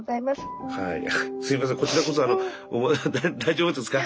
すいませんこちらこそ大丈夫ですか？